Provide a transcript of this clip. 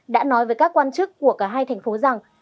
đã nói với các quan chức của cả hai thành phố rằng